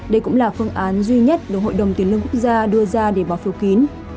đây cũng là phương án duy nhất được hội đồng tiền lương quốc gia đưa ra để bỏ phiếu kín